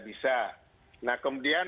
bisa nah kemudian